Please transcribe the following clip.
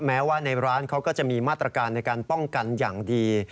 แม้ว่าในร้านเขาก็จะมีมาตรการในการป้องกันอย่างดี